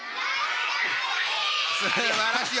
すばらしい！